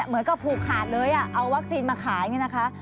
เหมือนกับผูกขาดเลยเอาวัคซีนมาขายนี่นะคะ